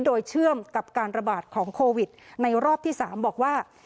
โดยเชื่อมกับการระบาดของโควิดในรอบที่๓บอกว่า